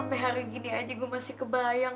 sampai hari gini aja gue masih kebayang